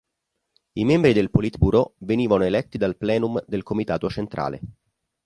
I membri del Politburo venivano eletti dal plenum del Comitato centrale.